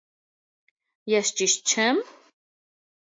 Ես ճիշտ չե՞մ։